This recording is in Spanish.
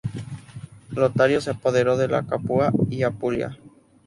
Lotario se apoderó de Capua y Apulia.